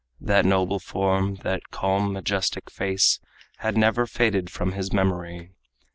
That noble form, that calm, majestic face, Had never faded from his memory.